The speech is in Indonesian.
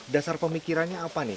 dasar pemikirannya apa nih